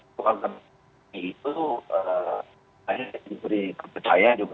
soal tempat ini itu hanya diberi kepercayaan juga